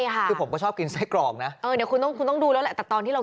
ก็ต้องเช็คให้รู้แล้วฮะ